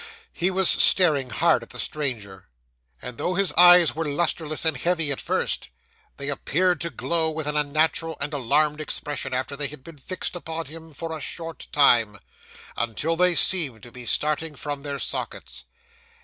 He was staring hard at the stranger, and though his eyes were lustreless and heavy at first, they appeared to glow with an unnatural and alarmed expression after they had been fixed upon him for a short time, until they seemed to be starting from their sockets.